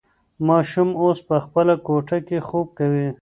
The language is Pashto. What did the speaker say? ماشوم اوس په خپله کوټه کې خوب کوي.